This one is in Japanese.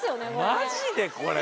マジで⁉これ。